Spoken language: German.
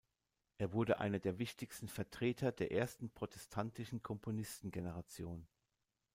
Er wurde einer der wichtigsten Vertreter der ersten protestantischen Komponistengeneration.